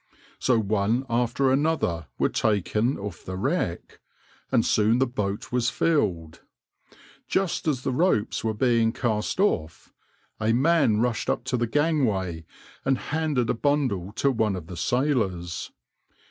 So one after another were taken off the wreck, and soon the boat was filled. Just as the ropes were being cast off, a man rushed up to the gangway and handed a bundle to one of the sailors.